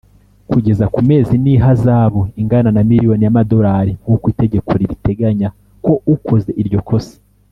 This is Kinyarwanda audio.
kugeza ku mezi n ihazabu ingana na miliyoni y’amadolali nkuko itegeko ribiteganya ko ukoze iryo kosa